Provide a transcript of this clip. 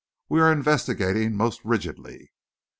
We are investigating most rigidly."